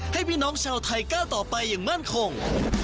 พี่น้องชาวไทยก้าวต่อไปอย่างมั่นคง